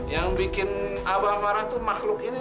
yang bikin abah marah tuh makhluk ini